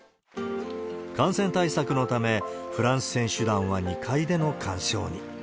感染対策のため、フランス選手団は２階での鑑賞に。